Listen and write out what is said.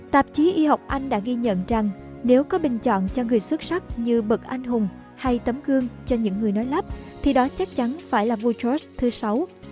tạp chí y học anh đã ghi nhận rằng nếu có bình chọn cho người xuất sắc như bật anh hùng hay tấm gương cho những người nói lắp thì đó chắc chắn phải là vua trust thứ sáu